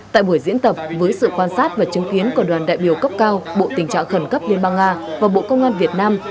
tại buổi diễn tập với sự quan sát và chứng kiến của đoàn đại biểu cấp cao bộ tình trạng khẩn cấp liên bang nga và bộ công an việt nam